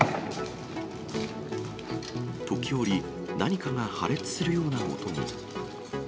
時折、何かが破裂するような音も。